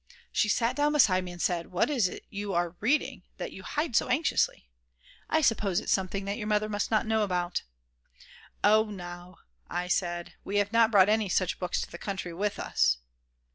She sat down beside me and said: "What is it you are reading that you hide so anxiously? I suppose it's something that your mother must not know about." "Oh no," said I, "we have not brought any such books to the country with us."